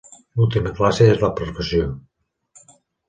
L'última classe és la Professió.